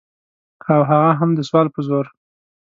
او هغه هم د سوال په زور.